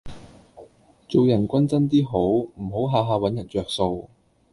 做人均真 D 好，唔好吓吓搵人着數